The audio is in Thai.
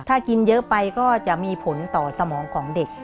ถ้ากินเยอะไปก็จะมีผลต่อสมองของเด็ก